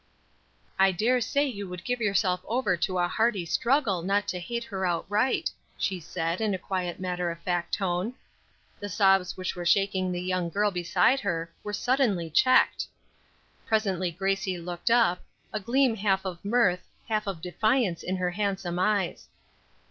"I dare say you would give yourself over to a hearty struggle not to hate her outright," she said, in a quiet, matter of fact tone. The sobs which were shaking the young girl beside her were suddenly checked. Presently Gracie looked up, a gleam half of mirth, half of defiance in her handsome eyes.